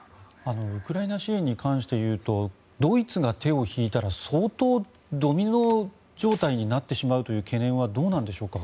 ウクライナ支援に関していうとドイツが手を引いたらドミノ状態になってしまうという懸念はどうなんでしょうか。